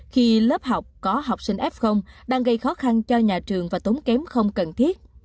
khi lớp học có học sinh f đang gây khó khăn cho nhà trường và tốn kém không cần thiết